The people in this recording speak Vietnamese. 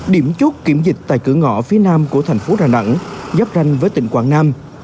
điểm chốt kiểm dịch tại cửa ngõ phía nam của tp đcm gấp ranh với tỉnh quảng nam